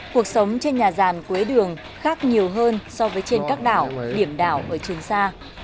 cuộc sống trên nhà ràn quế đường khác nhiều hơn so với trên các đảo điểm đảo ở trên xa